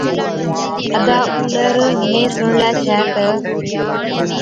ادا اُونڏر مين سُڻلَي ڇَي تہ،